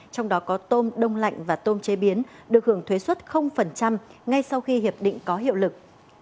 trong đó có tôm đông lạnh và tôm chế biến được hưởng thuế xuất ngay sau khi hiệp định có hiệu lực